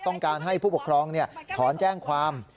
ต้องการให้ผู้ปกครองถอนแจ้งความ